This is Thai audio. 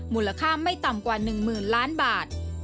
มูลค่าไม่ต่ำกว่า๑๐๐๐ล้านบาท